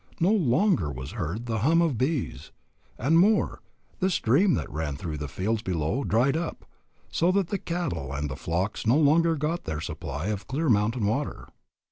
No longer was heard the hum of the bees; and more, the stream that ran through the fields below dried up, so that the cattle and the flocks no longer got their supply of clear mountain water.